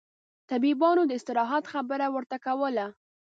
طبيبانو داستراحت خبره ورته کوله.